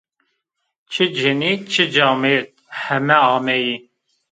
Çi cinî çi camêrd, heme ameyî